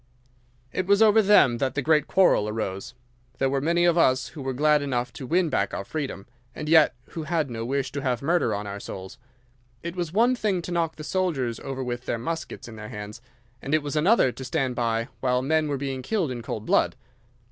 "'It was over them that the great quarrel arose. There were many of us who were glad enough to win back our freedom, and yet who had no wish to have murder on our souls. It was one thing to knock the soldiers over with their muskets in their hands, and it was another to stand by while men were being killed in cold blood.